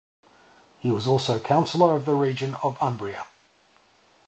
He was also Councilor of the Region of Umbria.